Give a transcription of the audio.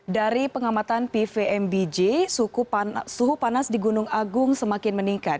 dari pengamatan pvmbj suhu panas di gunung agung semakin meningkat